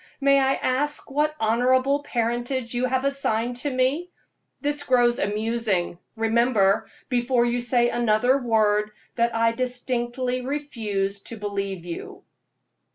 May I ask what honorable parentage you have assigned to me? This grows amusing. Remember, before you say another word, that I distinctly refuse to believe you."